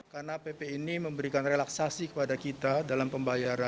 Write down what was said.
karena bp ini memberikan relaksasi kepada kita dalam pembayaran